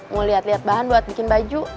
mau lihat lihat bahan buat bikin baju